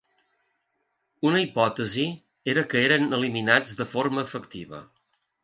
Una hipòtesi era que eren eliminats de forma efectiva.